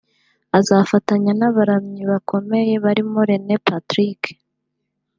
Azafatanya n’abaramyi bakomeye barimo Rene Patrick